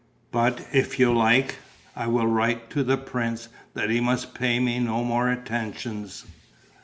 But, if you like, I will write to the prince that he must pay me no more attentions."